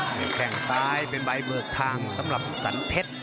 มีแข่งซ้ายเป็นใบเบิกทางสำหรับสันเพชร